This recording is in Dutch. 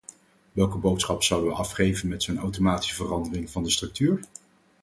Welke boodschap zouden we afgeven met zo’n automatische verandering van de structuur?